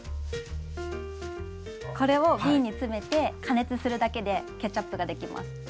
これをびんに詰めて加熱するだけでケチャップができます。